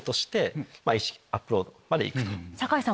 酒井さん